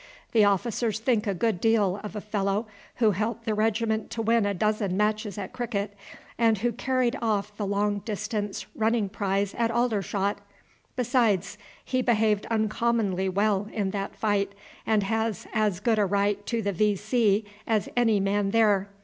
The officers think a good deal of a fellow who helped the regiment to win a dozen matches at cricket, and who carried off the long distance running prize at Aldershot; besides, he behaved uncommonly well in that fight, and has as good a right to the V.C. as any man there.